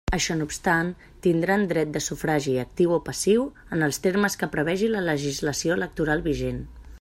Això no obstant, tindran dret de sufragi actiu o passiu en els termes que prevegi la legislació electoral vigent.